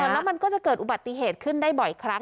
แล้วมันก็จะเกิดอุบัติเหตุขึ้นได้บ่อยครั้ง